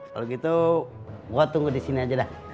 kalau gitu gue tunggu disini aja dah